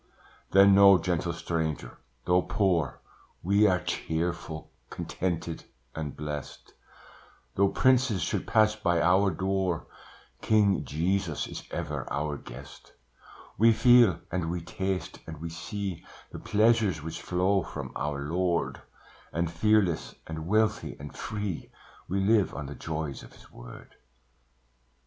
"Then know, gentle stranger, though poor, We're cheerful, contented, and blest; Though princes should pass by our door King Jesus is ever our guest; We feel, and we taste, and we see The pleasures which flow from our Lord, And fearless, and wealthy, and free, We live on the joys of His word."